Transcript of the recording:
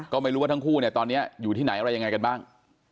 ก็ไม่รู้ว่าทั้งคู่เนี่ยตอนนี้อยู่ที่ไหนอะไรยังไงกันบ้าง